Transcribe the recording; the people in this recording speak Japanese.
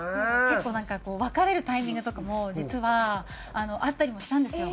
結構なんか別れるタイミングとかも実はあったりもしたんですよ。